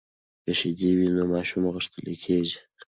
که شیدې وي نو ماشوم غښتلۍ کیږي.